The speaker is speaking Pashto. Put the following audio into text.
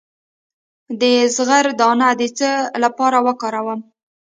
د زغر دانه د څه لپاره وکاروم؟